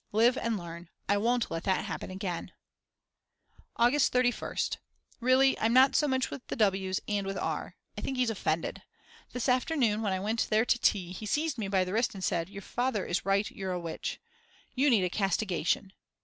Live and learn. I won't let that happen again. August 31st. Really I'm not so much with the W's and with R. I think he's offended. This afternoon, when I went there to tea, he seized me by the wrist and said: Your father is right, you're a witch. "You need a castigation."